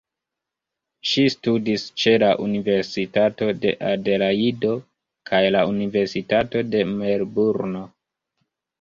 Ŝi studis ĉe la universitato de Adelajdo kaj la universitato de Melburno.